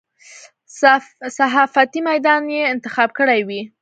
صحافتي میدان یې انتخاب کړی وي.